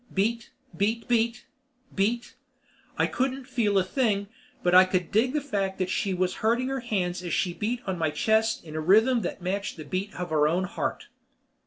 Beat. Beat beat. Beat. I couldn't feel a thing but I could dig the fact that she was hurting her hands as she beat on my chest in a rhythm that matched the beat of her own heart.